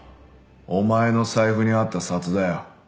お前の財布にあった札だよ。